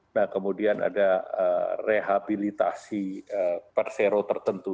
nah kemudian ada rehabilitasi persero tertentu